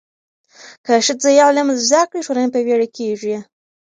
که ښځې علم زده کړي، ټولنه پیاوړې کېږي.